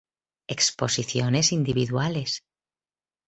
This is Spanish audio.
Exposiciones individuales